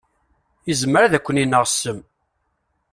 Izmer ad ken-ineɣ ssem.